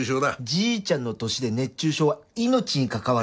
じいちゃんの年で熱中症は命に関わるよ。